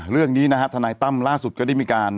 เรื่องนี้นะฮะทนายตั้มล่าสุดก็ได้มีการ